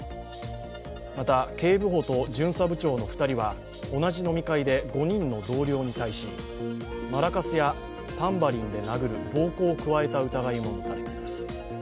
また、警部補と巡査部長の２人は同じ飲み会で５人の同僚に対し、マラカスやタンバリンで殴る暴行を加えた疑いも持たれています。